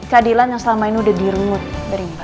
keadilan yang selama ini udah diremut dari mba